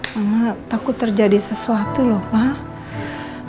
karena takut terjadi sesuatu loh pak